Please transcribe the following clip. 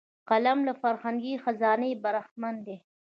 قلم له فرهنګي خزانې برخمن دی